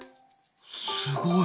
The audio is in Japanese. すごい。